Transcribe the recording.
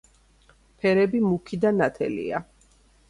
ფერები მუქი და ნათელია.